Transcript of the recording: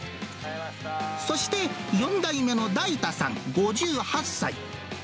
そして、４代目の大太さん５８歳。